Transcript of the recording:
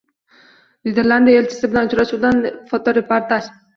Niderlandiya elchisi bilan uchrashuvdan fotoreportaj